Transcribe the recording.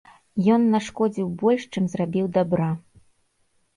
Ён нашкодзіў больш, чым зрабіў дабра.